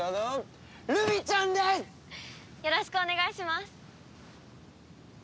よろしくお願いします。